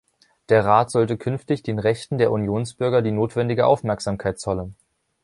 Der Rat sollte künftig den Rechten der Unionsbürger die notwendige Aufmerksamkeit zollen.